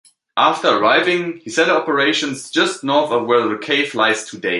After arriving, he set up operations just north of where the cave lies today.